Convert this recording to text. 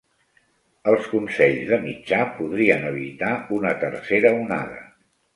Els consells de Mitjà podrien evitar una tercera onada